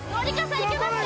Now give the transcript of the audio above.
いけますか？